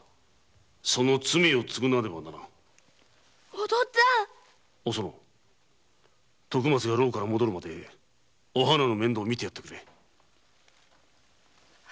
お父っつぁんおその徳松が牢から戻るまでお花の面倒をみてやってくれ。